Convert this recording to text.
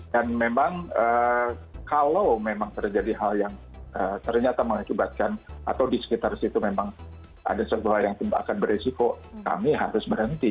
dan memang kalau memang terjadi hal yang ternyata mengakibatkan atau di sekitar situ memang ada sebuah yang akan beresiko kami harus berhenti